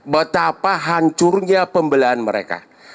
betapa hancurnya pembelahan mereka